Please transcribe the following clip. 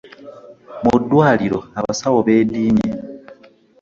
Mu ddwaliro abasawo beedimye .